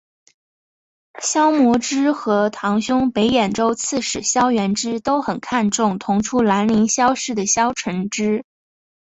萧摹之和堂兄北兖州刺史萧源之都很看重同出兰陵萧氏的萧承之。